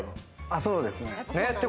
そうですね。